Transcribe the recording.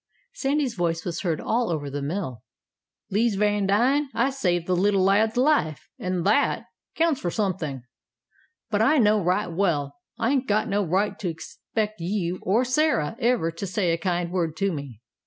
Sandy's voice was heard all over the mill: "'Lije Vandine, I saved the little lad's life, an' that, counts for something; but I know right well I ain't got no right to expect you or Sarah ever to say a kind word to me.